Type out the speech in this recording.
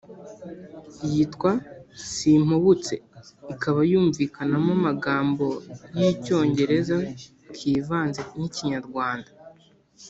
yitwa “Simpubutse” ikaba yumvikanamo amagambo y’icyongereza kivanze n’ikinyarwanda